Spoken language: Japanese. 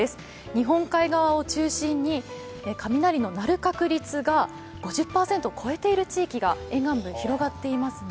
日本海側を中心に雷の鳴る確率が５０％を超えている地域が沿岸部広がっていますね。